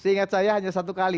seingat saya hanya satu kali